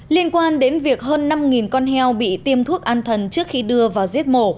liên quan đến việc hơn năm con heo bị tiêm thuốc an thần trước khi đưa vào giết mổ